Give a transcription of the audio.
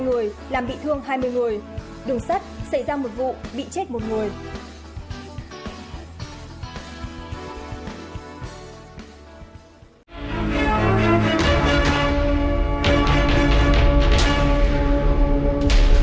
một mươi hai người làm bị thương hai mươi người đường sắt xảy ra một vụ bị chết một người